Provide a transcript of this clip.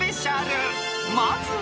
［まずは］